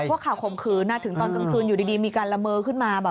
ว่าข่าวข่มขืนถึงตอนกลางคืนอยู่ดีมีการละเมอขึ้นมา